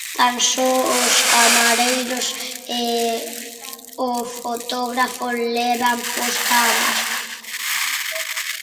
Tan só os camareiros e o fotógrafo levan posta a máscara.